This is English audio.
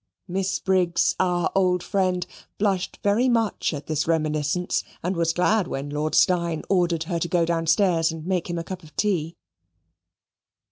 Miss Briggs, our old friend, blushed very much at this reminiscence, and was glad when Lord Steyne ordered her to go downstairs and make him a cup of tea.